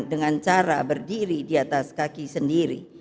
dengan cara berdiri di atas kaki sendiri